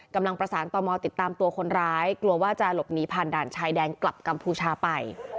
กำลังประสานต่อมอติดตามตัวคนร้ายกลัวว่าจะหลบหนีผ่านด่านชายแดนกลับกัมพูชาไป